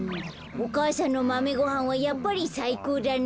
お母さんのマメごはんはやっぱりさいこうだね。